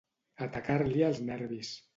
Atacar-li els nervis.